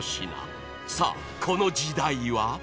［さあこの時代は？］